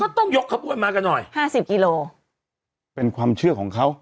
ต้องยกขบวนมากันหน่อยห้าสิบกิโลเป็นความเชื่อของเขา